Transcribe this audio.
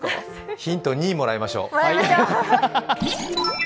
ヒント２をもらいましょう。